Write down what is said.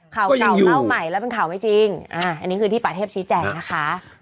ข่าวเก่าเล่าใหม่แล้วเป็นข่าวไม่จริงอันนี้คือที่ป่าเทพชี้แจงนะคะ